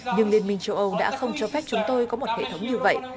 nhưng liên minh châu âu đã không cho phép chúng tôi có một hệ thống như vậy